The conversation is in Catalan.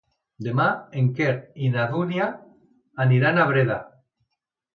Demà en Quer i na Dúnia aniran a Breda.